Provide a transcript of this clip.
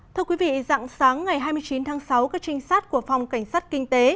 thưa quý vị dạng sáng ngày hai mươi chín tháng sáu các trinh sát của phòng cảnh sát kinh tế